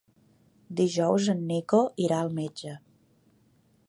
Dijous en Nico irà al metge.